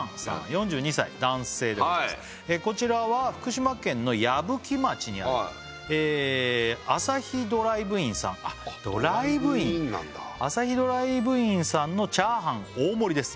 ４２歳男性でございます「こちらは福島県の矢吹町にある朝日ドライブインさん」あっドライブインドライブインなんだ「朝日ドライブインさんのチャーハン大盛りです」